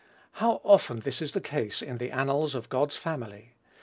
How often is this the case in the annals of God's family!